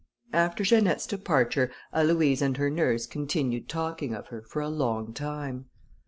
After Janette's departure, Aloïse and her nurse continued talking of her for a long time.